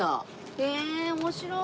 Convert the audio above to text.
へえ面白い！